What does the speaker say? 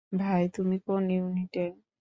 ভাই, তুমি কোন ইউনিটের?